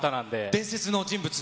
伝説の人物？